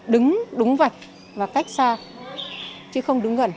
đứng đúng vạch và cách xa chứ không đứng gần